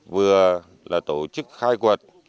vừa là tổ chức khai quân